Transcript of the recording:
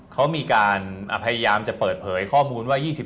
เขามีการพยายามจะเปิดเผยข้อมูลว่า